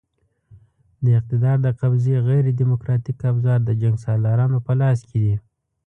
د اقتدار د قبضې غیر دیموکراتیک ابزار د جنګسالارانو په لاس کې دي.